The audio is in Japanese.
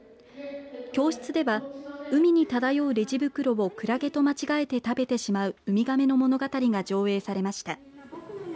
教室では海に漂うレジ袋をくらげと間違えて食べてしまうウミガメの物語が上映されました。